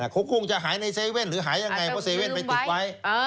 เขาคงจะหายใน๗๑๑หรือหายยังไงเพราะเซเว่นไปติดไว้